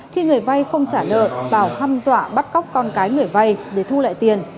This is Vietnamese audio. khi người vay không trả nợ bảo hâm dọa bắt cóc con cái người vay để thu lại tiền